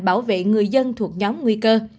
bảo vệ người dân thuộc nhóm nguy cơ